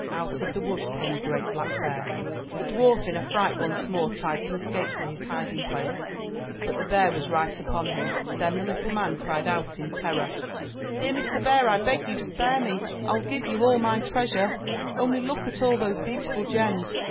Out of the woods came a great black bear. The dwarf in a fright once more tried to escape to his hiding place, but the bear was right upon him. Then the little man cried out in terror, "Dear Mr. Bear, I beg you spare me. I'll give you all my treasure. Only look at all those beautiful gems.